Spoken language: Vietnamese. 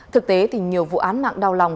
thực tế thì nhiều vụ án mạng đau lòng